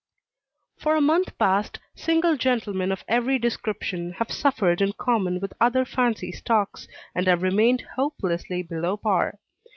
For a month past, single gentlemen of every description have suffered in common with other fancy stocks, and have remained hopelessly below par.